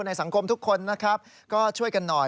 สังคมทุกคนนะครับก็ช่วยกันหน่อย